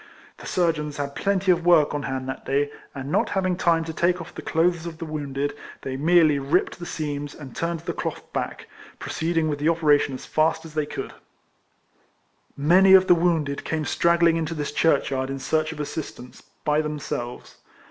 The sur geons had plenty of work on hand that day, and not having time to take off the clothes of the wounded, they merely ripped the seams and turned the cloth back, proceed ing with the operation as fast as they could. 92 RECOLLECTIONS OF Many of the wounded came straggling into this churchyard in search of assistance, by themselves.